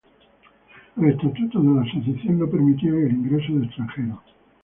Los estatutos de la asociación no permitían el ingreso de extranjeros.